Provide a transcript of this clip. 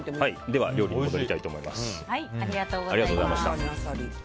では、料理に戻りたいと思います。